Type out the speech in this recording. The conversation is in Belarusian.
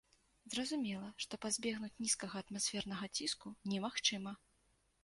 Зразумела, што пазбегнуць нізкага атмасфернага ціску немагчыма.